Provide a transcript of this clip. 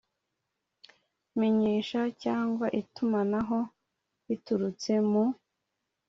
Menyesha cyangwa itumanaho biturutse mu